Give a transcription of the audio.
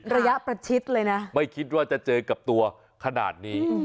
ระยะประชิดเลยนะไม่คิดว่าจะเจอกับตัวขนาดนี้